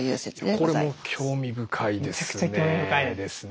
これも興味深いですね。